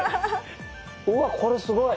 うわこれすごい！